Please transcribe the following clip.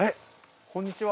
こんにちは。